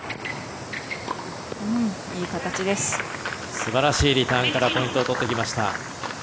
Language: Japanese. すばらしいリターンからポイントを取ってきました。